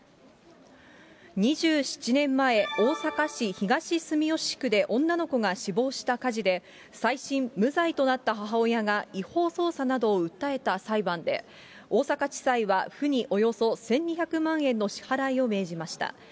２７年前、大阪市東住吉区で女の子が死亡した火事で、再審無罪となった母親が、違法捜査などを訴えた裁判で、大阪地裁は府におよそ１２００万円の支払いを命じました。